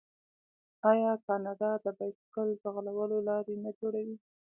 آیا کاناډا د بایسکل ځغلولو لارې نه جوړوي؟